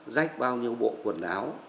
rách bao nhiêu bộ quần áo